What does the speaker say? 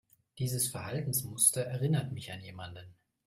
Dieses Verhaltensmuster erinnert mich an jemanden.